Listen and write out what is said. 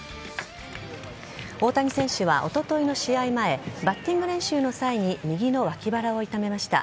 大谷選手はおとといの試合前バッティング練習の際に右の脇腹を痛めました。